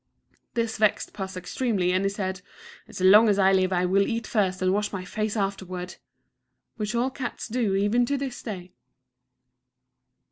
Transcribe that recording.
This vexed puss extremely, and he said, "As long as I live I will eat first and wash my face afterward" which all cats do even to this day.